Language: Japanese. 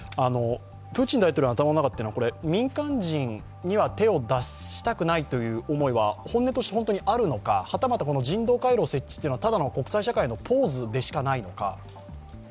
プーチン大統領の頭の中は民間人には手を出したくないという思いは本音として、本当にあるのか、はたまた人道回廊設置というのは、国際社会へのポーズでしかないのか。